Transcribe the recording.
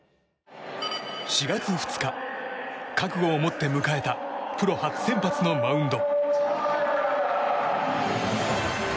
４月２日、覚悟を持って迎えたプロ初先発のマウンド。